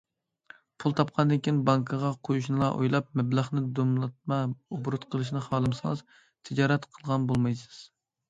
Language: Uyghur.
پۇل تاپقاندىن كېيىن بانكىغا قويۇشنىلا ئويلاپ، مەبلەغنى دومىلاتما ئوبوروت قىلىشنى خالىمىسىڭىز‹‹ تىجارەت›› قىلغان بولمايسىز.